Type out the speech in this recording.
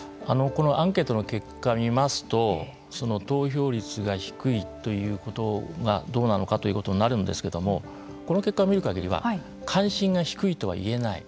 このアンケートの結果を見ますと投票率が低いということがどうなのかということになるんですけれどもこの結果を見る限りは関心が低いとは言えない。